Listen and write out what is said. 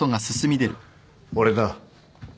俺だ。